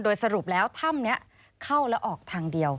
โดยสรุปแล้วถ้ำนี้เข้าแล้วออกทางเดียว